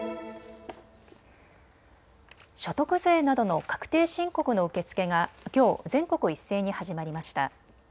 所得税などの確定申告の受け付けがきょう全国一斉に始まりました。